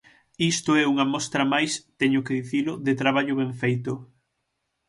Isto é unha mostra máis –teño que dicilo– de traballo ben feito.